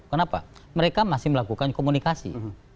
kenapa mereka masih melakukan komunikasi